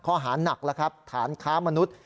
ข้อหานักแล้วครับฐานค้ามนุษย์